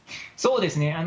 そうですね。